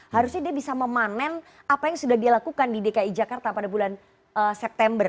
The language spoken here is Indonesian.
harusnya dia bisa memanen apa yang sudah dia lakukan di dki jakarta pada bulan september